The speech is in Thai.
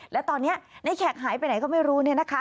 และตอนนี้นายแขกหายไปไหนก็ไม่รู้นะคะ